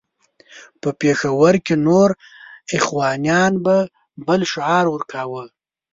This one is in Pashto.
په پېښور کې نور اخوانیان به بل شعار ورکاوه.